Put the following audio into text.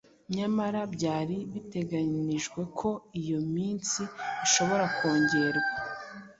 nyamara byari biteganijwe ko iyo minsi ishobora kongerwa